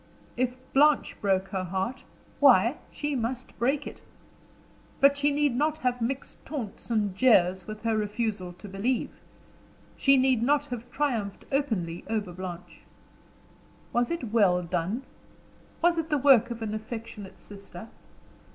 If Blanche broke her heart why, she must break it. But she need not have mixed taunts and jeers with her refusal to believe; she need not have triumphed openly over Blanche. Was it well done? Was it the work of an affectionate sister!